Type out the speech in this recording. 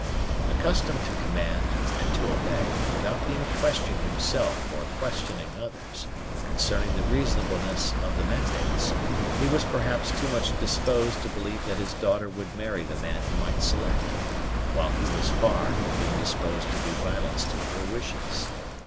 Accustomed to command and to obey, without being questioned himself or questioning others, concerning the reasonableness of the mandates, he was perhaps too much disposed to believe that his daughter would marry the man he might select, while he was far from being disposed to do violence to her wishes.